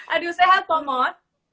aduh sehat pokmot